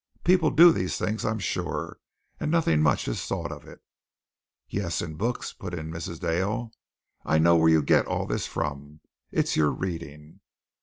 People do these things, I'm sure, and nothing much is thought of it." "Yes, in books," put in Mrs. Dale. "I know where you get all this from. It's your reading."